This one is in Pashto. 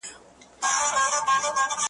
که چا پوښتنه درڅخه وکړه `